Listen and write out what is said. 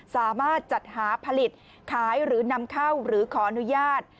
สามารถจัดหาผลิตขายหรือนำเข้าหรือขออนุญาต